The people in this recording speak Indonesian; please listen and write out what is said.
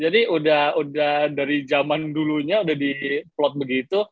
jadi udah dari zaman dulunya udah di plot begitu